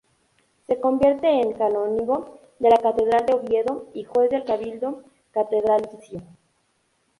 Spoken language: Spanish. Se convierte en canónigo de la Catedral de Oviedo y juez del Cabildo catedralicio.